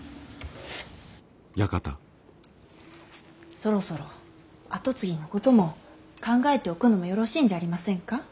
そろそろ跡継ぎのことも考えておくのもよろしいんじゃありませんか。